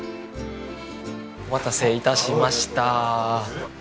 お待たせ致しました。